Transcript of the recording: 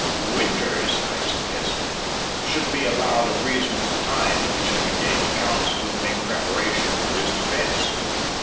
"Winters," I suggested, "should be allowed a reasonable time in which to engage counsel and make preparation for his defence."